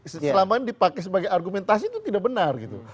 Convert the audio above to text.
selama ini dipakai sebagai argumentasi itu tidak benar gitu